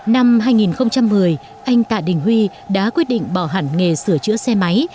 năm hai nghìn một mươi anh tạ đình huy đã quyết định bỏ hẳn nghề sửa chữa xe máy